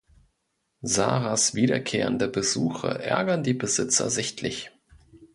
Sarahs wiederkehrende Besuche ärgern die Besitzer sichtlich.